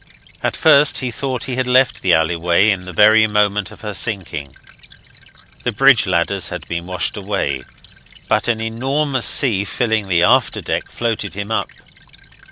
At first he thought he had left the alleyway in the very moment of her sinking. The bridge ladders had been washed away, but an enormous sea filling the after deck floated him up.